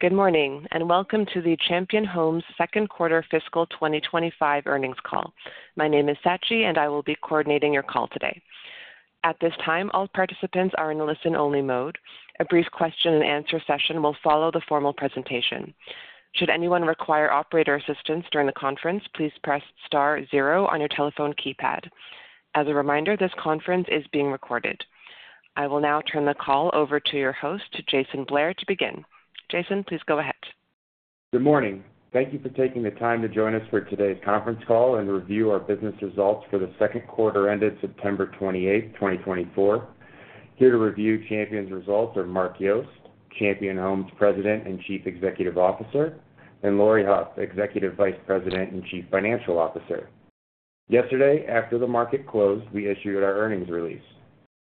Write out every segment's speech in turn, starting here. Good morning, and welcome to the Champion Homes second quarter fiscal 2025 earnings call. My name is Sachi, and I will be coordinating your call today. At this time, all participants are in listen-only mode. A brief question-and-answer session will follow the formal presentation. Should anyone require operator assistance during the conference, please press star zero on your telephone keypad. As a reminder, this conference is being recorded. I will now turn the call over to your host, Jason Blair, to begin. Jason, please go ahead. Good morning. Thank you for taking the time to join us for today's conference call and review our business results for the second quarter ended September 28th, 2024. Here to review Champion's results are Mark Yost, Champion Homes President and Chief Executive Officer, and Laurie Hough, Executive Vice President and Chief Financial Officer. Yesterday, after the market closed, we issued our earnings release.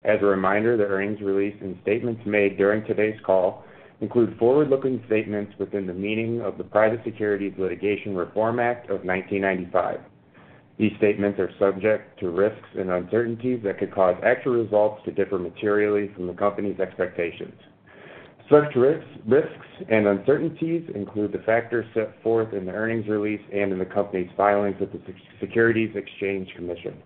As a reminder, the earnings release and statements made during today's call include forward-looking statements within the meaning of the Private Securities Litigation Reform Act of 1995. These statements are subject to risks and uncertainties that could cause actual results to differ materially from the company's expectations. Such risks and uncertainties include the factors set forth in the earnings release and in the company's filings with the Securities and Exchange Commission.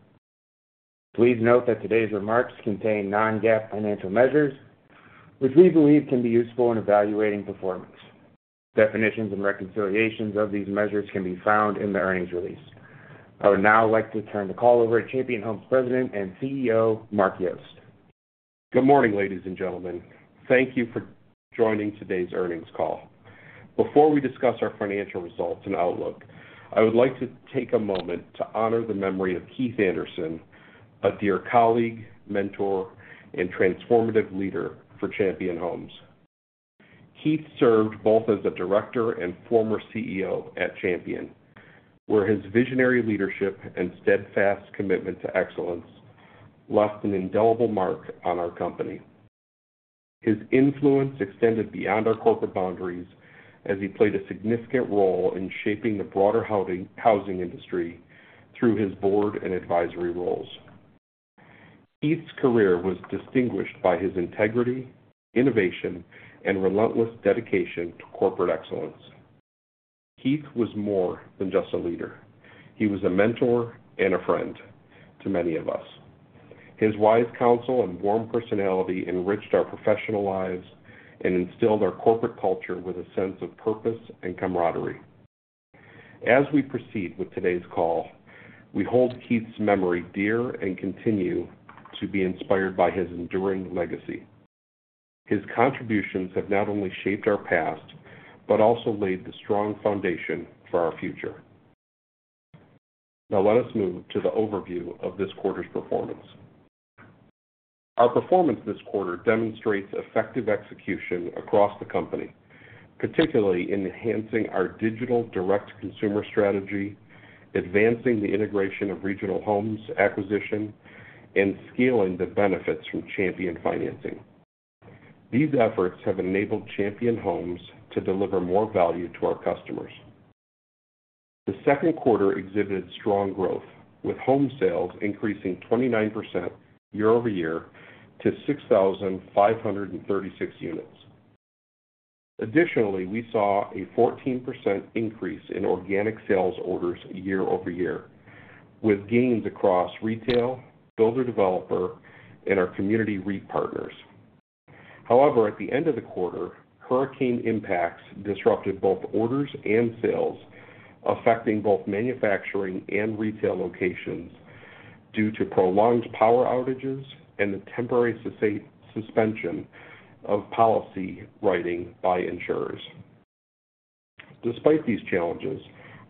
Please note that today's remarks contain non-GAAP financial measures, which we believe can be useful in evaluating performance. Definitions and reconciliations of these measures can be found in the earnings release. I would now like to turn the call over to Champion Homes President and CEO, Mark Yost. Good morning, ladies and gentlemen. Thank you for joining today's earnings call. Before we discuss our financial results and outlook, I would like to take a moment to honor the memory of Keith Anderson, a dear colleague, mentor, and transformative leader for Champion Homes. Keith served both as a director and former CEO at Champion, where his visionary leadership and steadfast commitment to excellence left an indelible mark on our company. His influence extended beyond our corporate boundaries as he played a significant role in shaping the broader housing industry through his board and advisory roles. Keith's career was distinguished by his integrity, innovation, and relentless dedication to corporate excellence. Keith was more than just a leader. He was a mentor and a friend to many of us. His wise counsel and warm personality enriched our professional lives and instilled our corporate culture with a sense of purpose and camaraderie. As we proceed with today's call, we hold Keith's memory dear and continue to be inspired by his enduring legacy. His contributions have not only shaped our past but also laid the strong foundation for our future. Now, let us move to the overview of this quarter's performance. Our performance this quarter demonstrates effective execution across the company, particularly in enhancing our digital direct-to-consumer strategy, advancing the integration of Regional Homes acquisition, and scaling the benefits from Champion Financing. These efforts have enabled Champion Homes to deliver more value to our customers. The second quarter exhibited strong growth, with home sales increasing 29% year over year to 6,536 units. Additionally, we saw a 14% increase in organic sales orders year over year, with gains across retail, builder-developer, and our community REIT partners. However, at the end of the quarter, hurricane impacts disrupted both orders and sales, affecting both manufacturing and retail locations due to prolonged power outages and the temporary suspension of policy writing by insurers. Despite these challenges,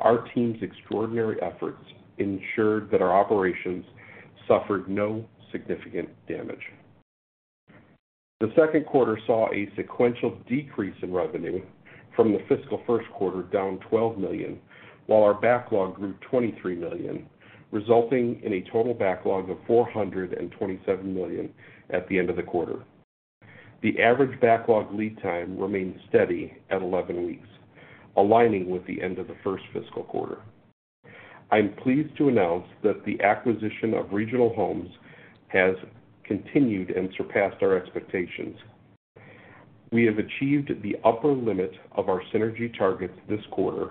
our team's extraordinary efforts ensured that our operations suffered no significant damage. The second quarter saw a sequential decrease in revenue from the fiscal first quarter down $12 million, while our backlog grew $23 million, resulting in a total backlog of $427 million at the end of the quarter. The average backlog lead time remained steady at 11 weeks, aligning with the end of the first fiscal quarter. I'm pleased to announce that the acquisition of Regional Homes has continued and surpassed our expectations. We have achieved the upper limit of our synergy targets this quarter,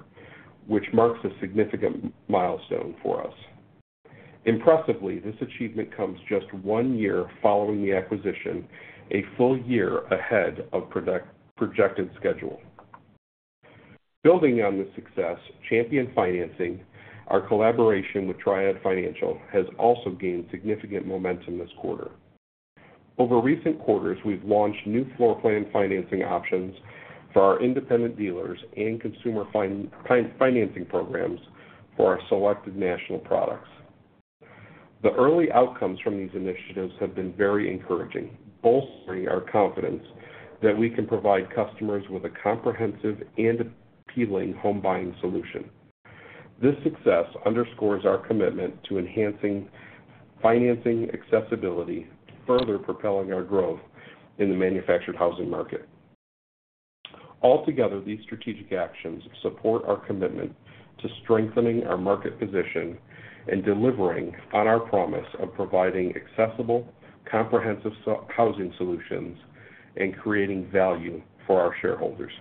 which marks a significant milestone for us. Impressively, this achievement comes just one year following the acquisition, a full year ahead of projected schedule. Building on this success, Champion Financing, our collaboration with Triad Financial, has also gained significant momentum this quarter. Over recent quarters, we've launched new floor plan financing options for our independent dealers and consumer financing programs for our selected national products. The early outcomes from these initiatives have been very encouraging, bolstering our confidence that we can provide customers with a comprehensive and appealing home buying solution. This success underscores our commitment to enhancing financing accessibility, further propelling our growth in the manufactured housing market. Altogether, these strategic actions support our commitment to strengthening our market position and delivering on our promise of providing accessible, comprehensive housing solutions and creating value for our shareholders.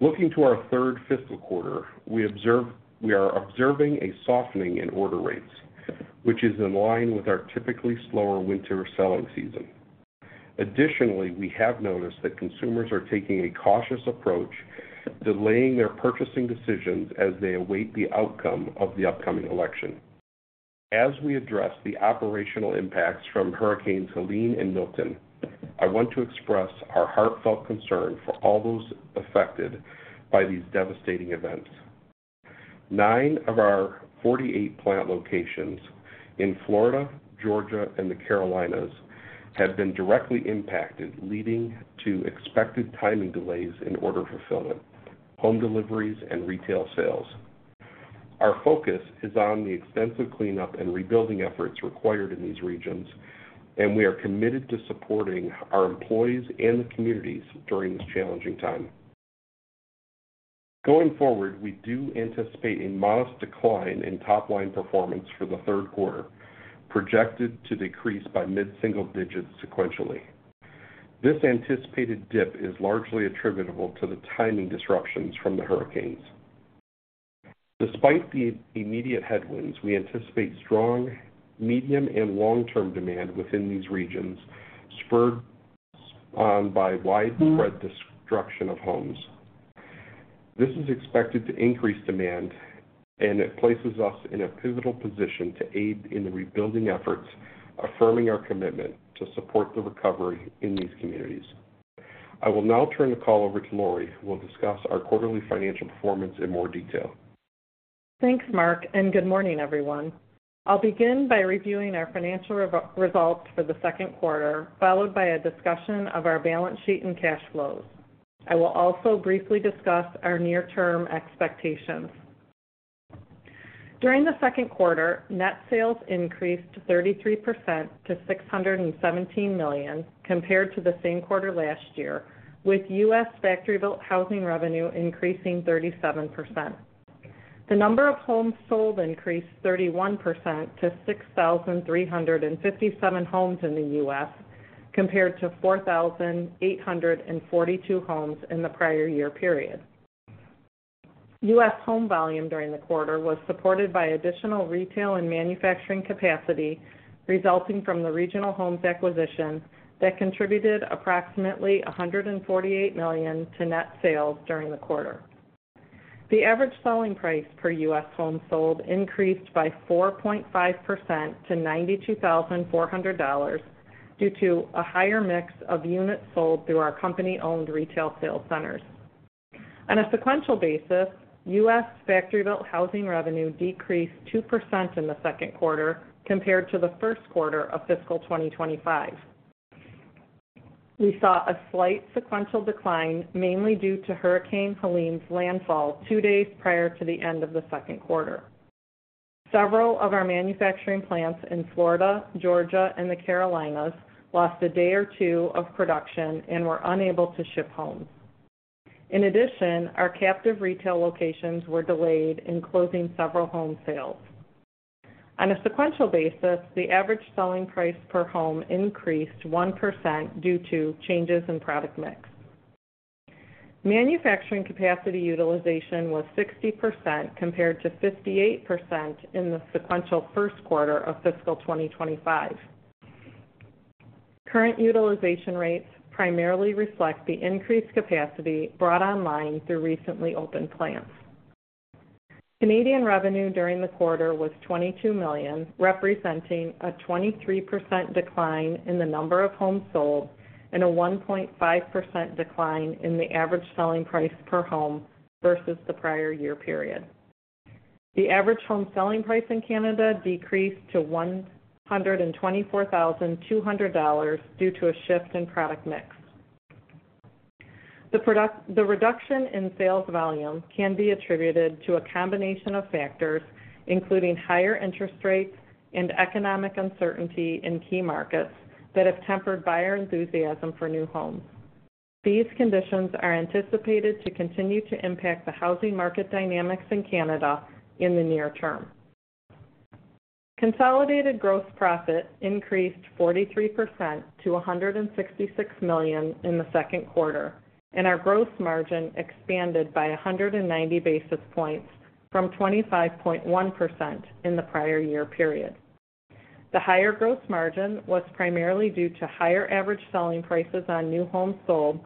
Looking to our third fiscal quarter, we are observing a softening in order rates, which is in line with our typically slower winter selling season. Additionally, we have noticed that consumers are taking a cautious approach, delaying their purchasing decisions as they await the outcome of the upcoming election. As we address the operational impacts from Hurricanes Helene and Milton, I want to express our heartfelt concern for all those affected by these devastating events. Nine of our 48 plant locations in Florida, Georgia, and the Carolinas have been directly impacted, leading to expected timing delays in order fulfillment, home deliveries, and retail sales. Our focus is on the extensive cleanup and rebuilding efforts required in these regions, and we are committed to supporting our employees and the communities during this challenging time. Going forward, we do anticipate a modest decline in top-line performance for the third quarter, projected to decrease by mid-single digits sequentially. This anticipated dip is largely attributable to the timing disruptions from the hurricanes. Despite the immediate headwinds, we anticipate strong medium and long-term demand within these regions, spurred on by widespread destruction of homes. This is expected to increase demand, and it places us in a pivotal position to aid in the rebuilding efforts, affirming our commitment to support the recovery in these communities. I will now turn the call over to Laurie, who will discuss our quarterly financial performance in more detail. Thanks, Mark, and good morning, everyone. I'll begin by reviewing our financial results for the second quarter, followed by a discussion of our balance sheet and cash flows. I will also briefly discuss our near-term expectations. During the second quarter, net sales increased 33% to $617 million, compared to the same quarter last year, with U.S. factory-built housing revenue increasing 37%. The number of homes sold increased 31% to 6,357 homes in the U.S., compared to 4,842 homes in the prior year period. U.S. home volume during the quarter was supported by additional retail and manufacturing capacity resulting from the Regional Homes acquisition that contributed approximately $148 million to net sales during the quarter. The average selling price per U.S. home sold increased by 4.5% to $92,400 due to a higher mix of units sold through our company-owned retail sales centers. On a sequential basis, U.S. Factory-built housing revenue decreased 2% in the second quarter, compared to the first quarter of fiscal 2025. We saw a slight sequential decline, mainly due to Hurricane Helene's landfall two days prior to the end of the second quarter. Several of our manufacturing plants in Florida, Georgia, and the Carolinas lost a day or two of production and were unable to ship homes. In addition, our captive retail locations were delayed in closing several home sales. On a sequential basis, the average selling price per home increased 1% due to changes in product mix. Manufacturing capacity utilization was 60% compared to 58% in the sequential first quarter of fiscal 2025. Current utilization rates primarily reflect the increased capacity brought online through recently opened plants. Canadian revenue during the quarter was $22 million, representing a 23% decline in the number of homes sold and a 1.5% decline in the average selling price per home versus the prior year period. The average home selling price in Canada decreased to $124,200 due to a shift in product mix. The reduction in sales volume can be attributed to a combination of factors, including higher interest rates and economic uncertainty in key markets that have tempered buyer enthusiasm for new homes. These conditions are anticipated to continue to impact the housing market dynamics in Canada in the near term. Consolidated gross profit increased 43% to $166 million in the second quarter, and our gross margin expanded by 190 basis points from 25.1% in the prior year period. The higher gross margin was primarily due to higher average selling prices on new homes sold,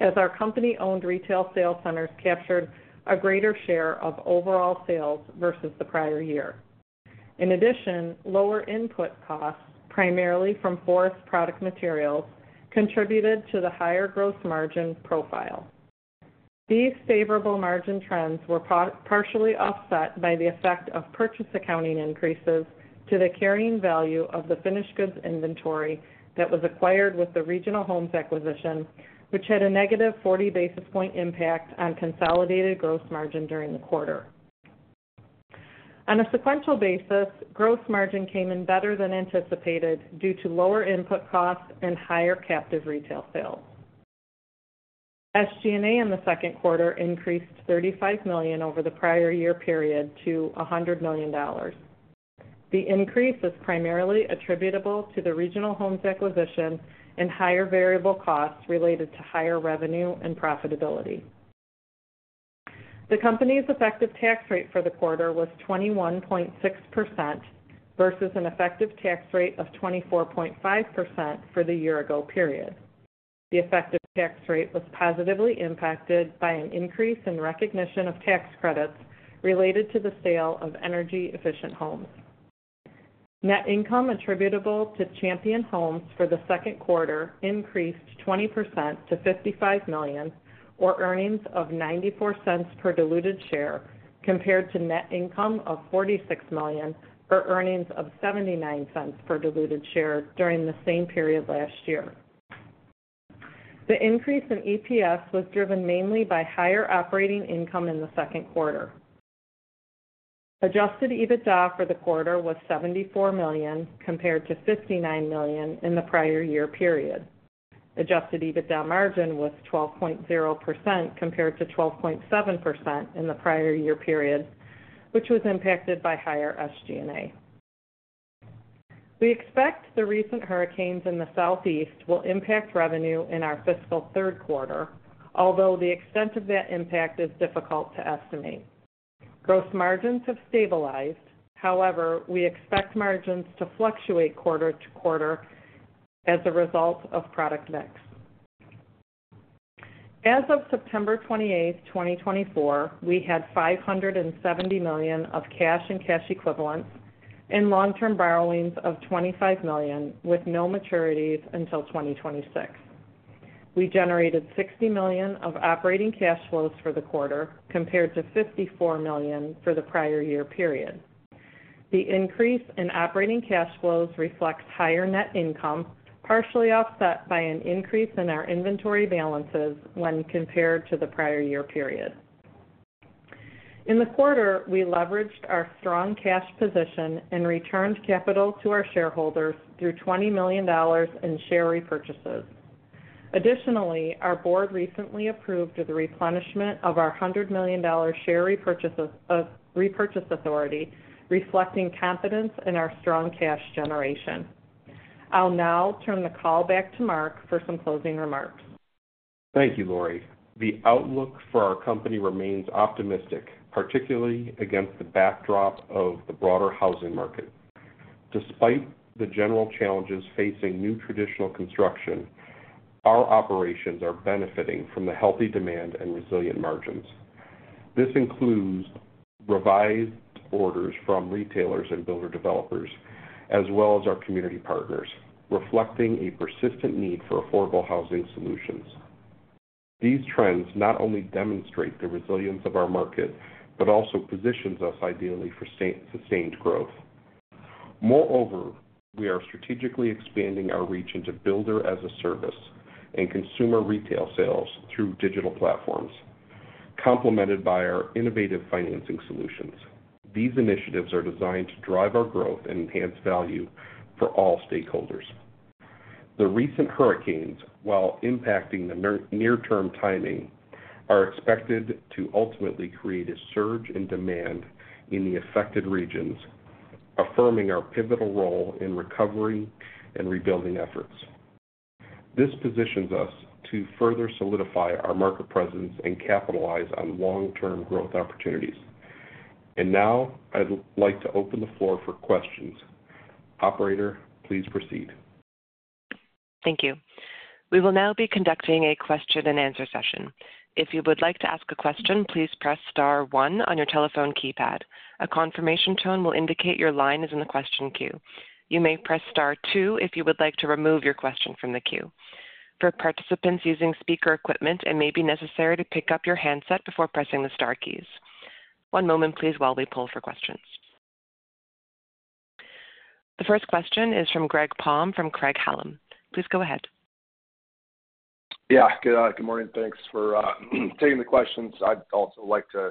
as our company-owned retail sales centers captured a greater share of overall sales versus the prior year. In addition, lower input costs, primarily from forest product materials, contributed to the higher gross margin profile. These favorable margin trends were partially offset by the effect of purchase accounting increases to the carrying value of the finished goods inventory that was acquired with the Regional Homes acquisition, which had a negative 40 basis point impact on consolidated gross margin during the quarter. On a sequential basis, gross margin came in better than anticipated due to lower input costs and higher captive retail sales. SG&A in the second quarter increased $35 million over the prior year period to $100 million. The increase is primarily attributable to the Regional Homes acquisition and higher variable costs related to higher revenue and profitability. The company's effective tax rate for the quarter was 21.6% versus an effective tax rate of 24.5% for the year-ago period. The effective tax rate was positively impacted by an increase in recognition of tax credits related to the sale of energy-efficient homes. Net income attributable to Champion Homes for the second quarter increased 20% to $55 million, or earnings of $0.94 per diluted share, compared to net income of $46 million, or earnings of $0.79 per diluted share during the same period last year. The increase in EPS was driven mainly by higher operating income in the second quarter. Adjusted EBITDA for the quarter was $74 million, compared to $59 million in the prior year period. Adjusted EBITDA margin was 12.0% compared to 12.7% in the prior year period, which was impacted by higher SG&A. We expect the recent hurricanes in the Southeast will impact revenue in our fiscal third quarter, although the extent of that impact is difficult to estimate. Gross margins have stabilized. However, we expect margins to fluctuate quarter to quarter as a result of product mix. As of September 28, 2024, we had $570 million of cash and cash equivalents and long-term borrowings of $25 million, with no maturities until 2026. We generated $60 million of operating cash flows for the quarter, compared to $54 million for the prior year period. The increase in operating cash flows reflects higher net income, partially offset by an increase in our inventory balances when compared to the prior year period. In the quarter, we leveraged our strong cash position and returned capital to our shareholders through $20 million in share repurchases. Additionally, our board recently approved the replenishment of our $100 million share repurchase authority, reflecting confidence in our strong cash generation. I'll now turn the call back to Mark for some closing remarks. Thank you, Laurie. The outlook for our company remains optimistic, particularly against the backdrop of the broader housing market. Despite the general challenges facing new traditional construction, our operations are benefiting from the healthy demand and resilient margins. This includes revised orders from retailers and builder developers, as well as our community partners, reflecting a persistent need for affordable housing solutions. These trends not only demonstrate the resilience of our market but also position us ideally for sustained growth. Moreover, we are strategically expanding our reach into Builder-as-a-Service and consumer retail sales through digital platforms, complemented by our innovative financing solutions. These initiatives are designed to drive our growth and enhance value for all stakeholders. The recent hurricanes, while impacting the near-term timing, are expected to ultimately create a surge in demand in the affected regions, affirming our pivotal role in recovery and rebuilding efforts. This positions us to further solidify our market presence and capitalize on long-term growth opportunities. And now, I'd like to open the floor for questions. Operator, please proceed. Thank you. We will now be conducting a question-and-answer session. If you would like to ask a question, please press star one on your telephone keypad. A confirmation tone will indicate your line is in the question queue. You may press star two if you would like to remove your question from the queue. For participants using speaker equipment, it may be necessary to pick up your handset before pressing the star keys. One moment, please, while we pull for questions. The first question is from Greg Palm from Craig-Hallum. Please go ahead. Yeah. Good morning. Thanks for taking the questions. I'd also like to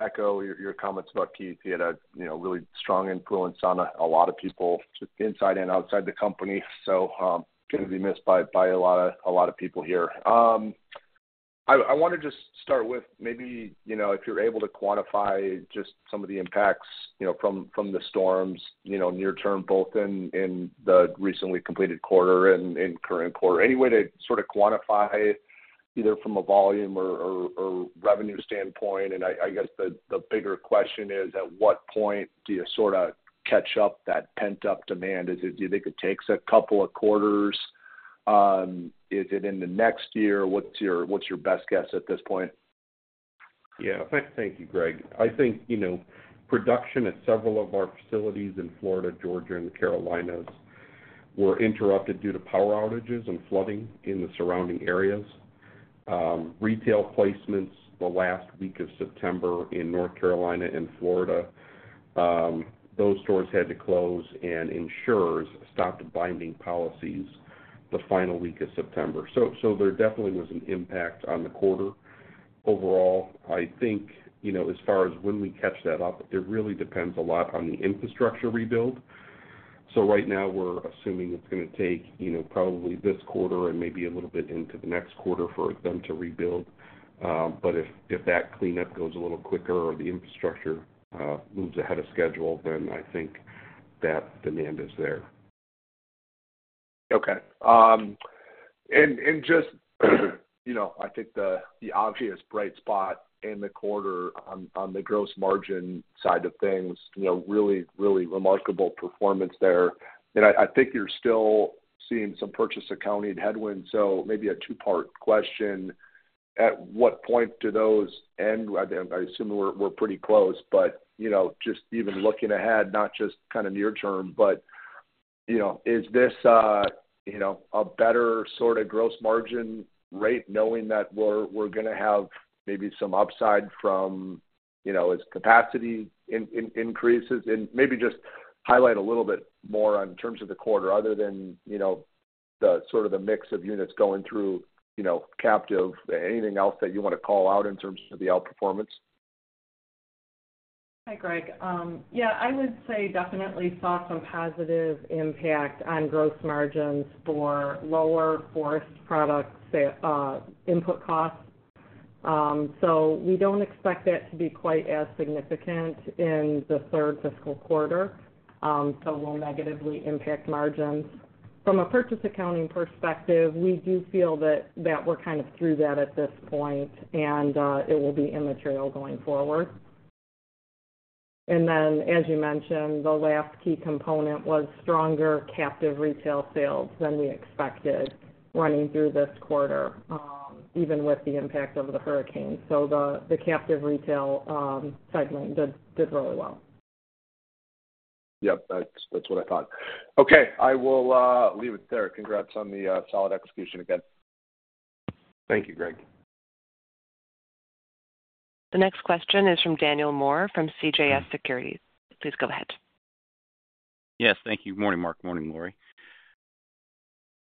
echo your comments about Keith. He had a really strong influence on a lot of people inside and outside the company, so he can be missed by a lot of people here. I want to just start with maybe if you're able to quantify just some of the impacts from the storms near-term, both in the recently completed quarter and current quarter, any way to sort of quantify it either from a volume or revenue standpoint? And I guess the bigger question is, at what point do you sort of catch up that pent-up demand? Do you think it takes a couple of quarters? Is it in the next year? What's your best guess at this point? Yeah. Thank you, Greg. I think production at several of our facilities in Florida, Georgia, and the Carolinas were interrupted due to power outages and flooding in the surrounding areas. Retail placements the last week of September in North Carolina and Florida. Those stores had to close, and insurers stopped binding policies the final week of September, so there definitely was an impact on the quarter. Overall, I think as far as when we catch that up, it really depends a lot on the infrastructure rebuild, so right now, we're assuming it's going to take probably this quarter and maybe a little bit into the next quarter for them to rebuild, but if that cleanup goes a little quicker or the infrastructure moves ahead of schedule, then I think that demand is there. Okay. And just, I think, the obvious bright spot in the quarter on the gross margin side of things, really, really remarkable performance there. And I think you're still seeing some purchase accounting headwinds. So maybe a two-part question. At what point do those end? I assume we're pretty close. But just even looking ahead, not just kind of near-term, but is this a better sort of gross margin rate knowing that we're going to have maybe some upside from its capacity increases? And maybe just highlight a little bit more in terms of the quarter other than sort of the mix of units going through captive, anything else that you want to call out in terms of the outperformance? Hi, Greg. Yeah. I would say definitely saw some positive impact on gross margins for lower forest product input costs. So we don't expect that to be quite as significant in the third fiscal quarter, so it will negatively impact margins. From a purchase accounting perspective, we do feel that we're kind of through that at this point, and it will be immaterial going forward. And then, as you mentioned, the last key component was stronger captive retail sales than we expected running through this quarter, even with the impact of the hurricane. So the captive retail segment did really well. Yep. That's what I thought. Okay. I will leave it there. Congrats on the solid execution again. Thank you, Greg. The next question is from Daniel Moore from CJS Securities. Please go ahead. Yes. Thank you. Good morning, Mark. Good morning, Laurie.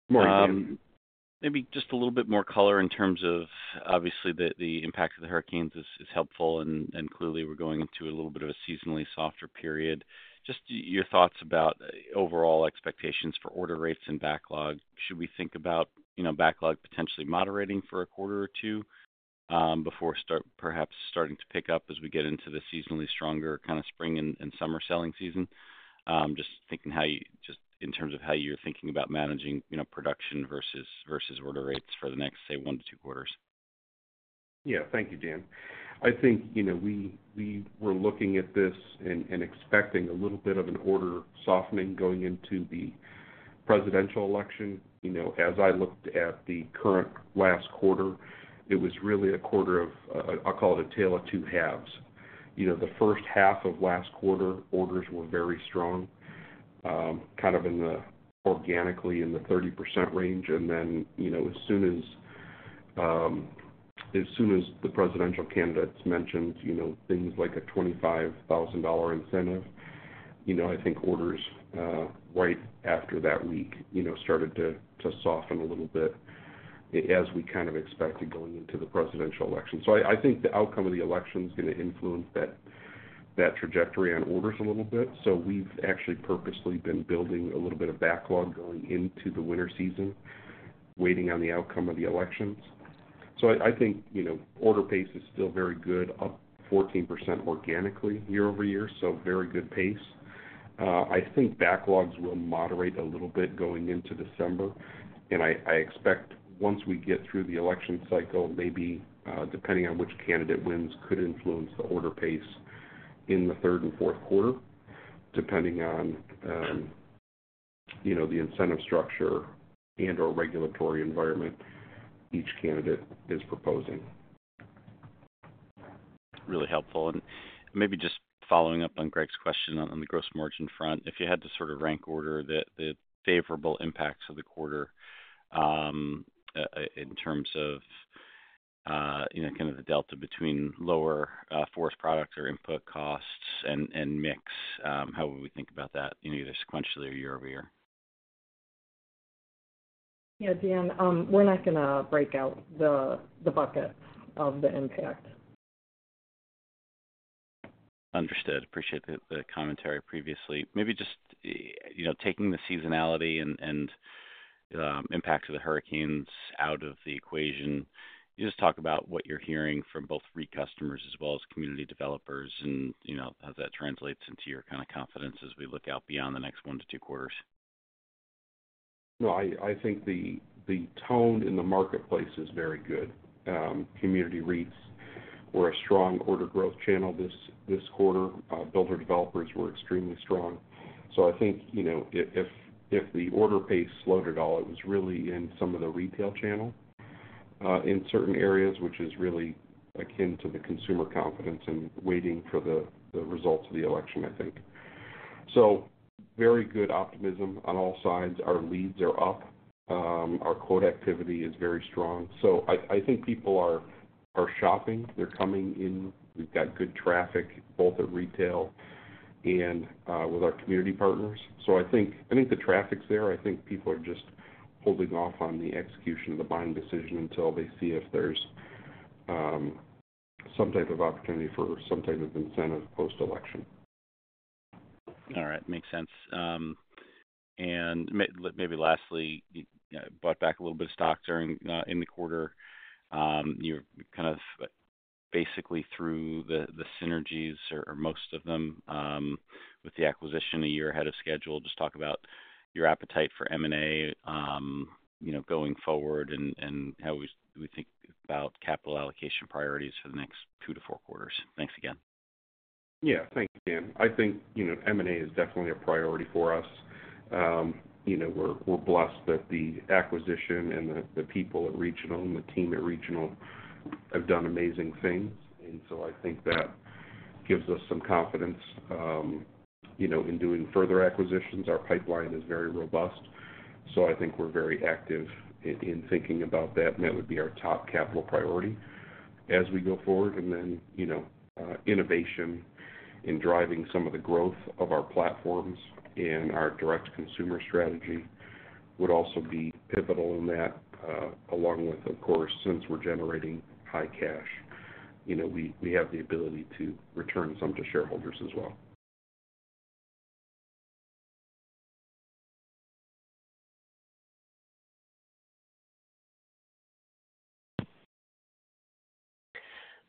Good morning, Greg. Maybe just a little bit more color in terms of, obviously, the impact of the hurricanes is helpful, and clearly, we're going into a little bit of a seasonally softer period. Just your thoughts about overall expectations for order rates and backlog. Should we think about backlog potentially moderating for a quarter or two before perhaps starting to pick up as we get into the seasonally stronger kind of spring and summer selling season? Just thinking in terms of how you're thinking about managing production versus order rates for the next, say, one to two quarters. Yeah. Thank you, Dan. I think we were looking at this and expecting a little bit of an order softening going into the presidential election. As I looked at the current last quarter, it was really a quarter of, I'll call it a tale of two halves. The first half of last quarter, orders were very strong, kind of organically in the 30% range. And then as soon as the presidential candidates mentioned things like a $25,000 incentive, I think orders right after that week started to soften a little bit as we kind of expected going into the presidential election. So I think the outcome of the election is going to influence that trajectory on orders a little bit. So we've actually purposely been building a little bit of backlog going into the winter season, waiting on the outcome of the elections. So I think order pace is still very good, up 14% organically year over year, so very good pace. I think backlogs will moderate a little bit going into December. And I expect once we get through the election cycle, maybe depending on which candidate wins, could influence the order pace in the third and fourth quarter, depending on the incentive structure and/or regulatory environment each candidate is proposing. Really helpful. And maybe just following up on Greg's question on the gross margin front, if you had to sort of rank order the favorable impacts of the quarter in terms of kind of the delta between lower forest products or input costs and mix, how would we think about that either sequentially or year over year? Yeah, Dan, we're not going to break out the buckets of the impact. Understood. Appreciate the commentary previously. Maybe just taking the seasonality and impacts of the hurricanes out of the equation, just talk about what you're hearing from both retail customers as well as community developers and how that translates into your kind of confidence as we look out beyond the next one to two quarters. No, I think the tone in the marketplace is very good. Community REITs were a strong order growth channel this quarter. Builder developers were extremely strong. So I think if the order pace slowed at all, it was really in some of the retail channel in certain areas, which is really akin to the consumer confidence and waiting for the results of the election, I think. So very good optimism on all sides. Our leads are up. Our quote activity is very strong. So I think people are shopping. They're coming in. We've got good traffic both at retail and with our community partners. So I think the traffic's there. I think people are just holding off on the execution of the buying decision until they see if there's some type of opportunity for some type of incentive post-election. All right. Makes sense, and maybe lastly, bought back a little bit of stock during the quarter. You're kind of basically through the synergies, or most of them, with the acquisition a year ahead of schedule. Just talk about your appetite for M&A going forward and how we think about capital allocation priorities for the next two to four quarters. Thanks again. Yeah. Thank you, Dan. I think M&A is definitely a priority for us. We're blessed that the acquisition and the people at Regional and the team at Regional have done amazing things. And so I think that gives us some confidence in doing further acquisitions. Our pipeline is very robust. So I think we're very active in thinking about that, and that would be our top capital priority as we go forward. And then innovation in driving some of the growth of our platforms and our direct-to-consumer strategy would also be pivotal in that, along with, of course, since we're generating high cash, we have the ability to return some to shareholders as well.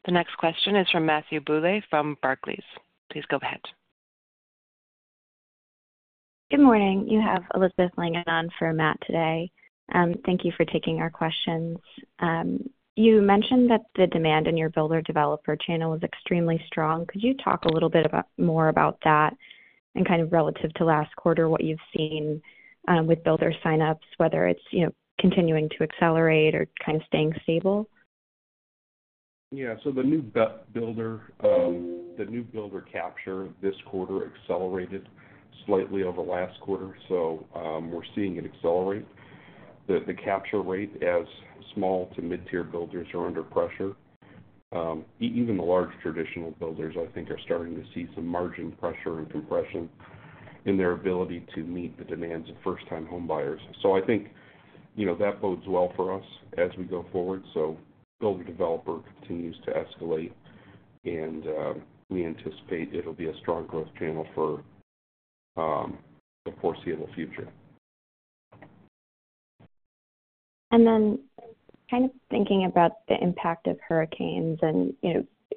The next question is from Matthew Boulay from Barclays. Please go ahead. Good morning. You have Elizabeth Langan for Matt today. Thank you for taking our questions. You mentioned that the demand in your builder-developer channel was extremely strong. Could you talk a little bit more about that and kind of relative to last quarter, what you've seen with builder sign-ups, whether it's continuing to accelerate or kind of staying stable? Yeah. So the new builder capture this quarter accelerated slightly over last quarter. So we're seeing it accelerate. The capture rate, as small to mid-tier builders are under pressure. Even the large traditional builders, I think, are starting to see some margin pressure and compression in their ability to meet the demands of first-time home buyers. So I think that bodes well for us as we go forward. So builder-developer continues to escalate, and we anticipate it'll be a strong growth channel for the foreseeable future. Kind of thinking about the impact of hurricanes,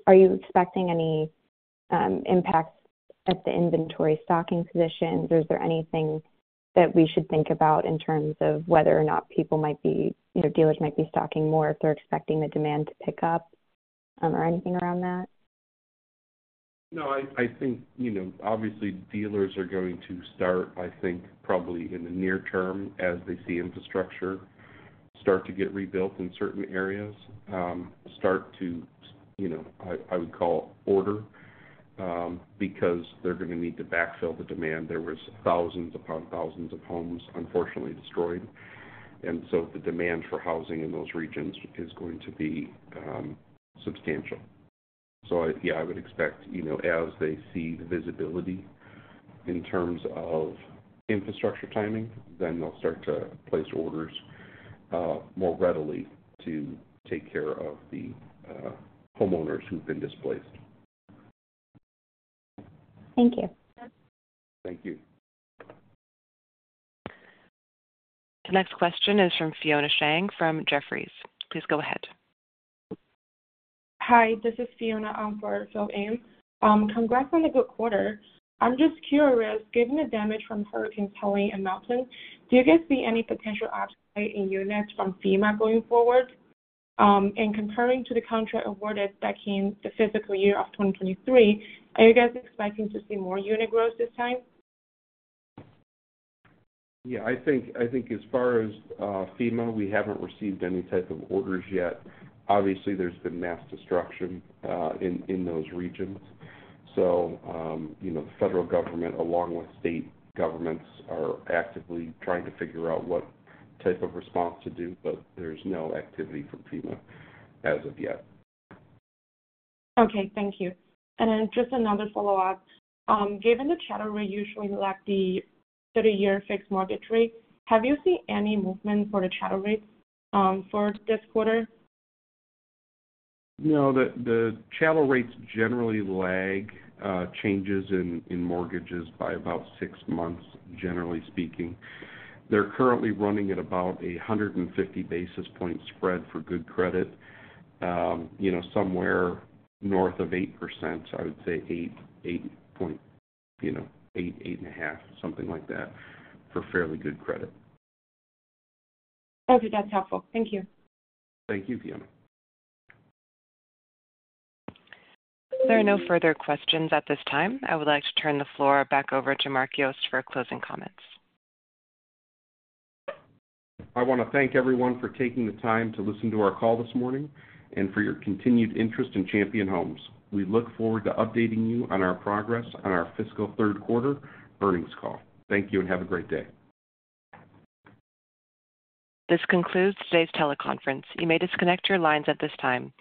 are you expecting any impacts at the inventory stocking positions, or is there anything that we should think about in terms of whether or not people might be, dealers might be stocking more if they're expecting the demand to pick up or anything around that? No. I think, obviously, dealers are going to start, I think, probably in the near term as they see infrastructure start to get rebuilt in certain areas, start to, I would call, order because they're going to need to backfill the demand. There were thousands upon thousands of homes, unfortunately, destroyed. And so the demand for housing in those regions is going to be substantial. So yeah, I would expect as they see the visibility in terms of infrastructure timing, then they'll start to place orders more readily to take care of the homeowners who've been displaced. Thank you. Thank you. The next question is from Fiona Shang from Jefferies. Please go ahead. Hi. This is Fiona Shang from Jefferies. Congrats on the good quarter. I'm just curious, given the damage from Hurricanes Helene and Milton, do you guys see any potential upside in units from FEMA going forward? And comparing to the contract awarded back in the fiscal year of 2023, are you guys expecting to see more unit growth this time? Yeah. I think as far as FEMA, we haven't received any type of orders yet. Obviously, there's been mass destruction in those regions. So the federal government, along with state governments, are actively trying to figure out what type of response to do, but there's no activity from FEMA as of yet. Okay. Thank you. And then just another follow-up. Given the chattel usually lags the 30-year fixed mortgage rate, have you seen any movement for the chattel rates for this quarter? No. The chattel rates generally lag changes in mortgages by about six months, generally speaking. They're currently running at about a 150 basis points spread for good credit, somewhere north of 8%. I would say 8-8.5%, something like that for fairly good credit. Okay. That's helpful. Thank you. Thank you, Fiona. There are no further questions at this time. I would like to turn the floor back over to Mark Yost for closing comments. I want to thank everyone for taking the time to listen to our call this morning and for your continued interest in Champion Homes. We look forward to updating you on our progress on our fiscal third quarter earnings call. Thank you and have a great day. This concludes today's teleconference. You may disconnect your lines at this time.